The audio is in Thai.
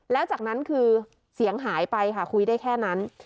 แล้วจากนั้นคือเสียงหายไปค่ะคุยได้แค่นั้น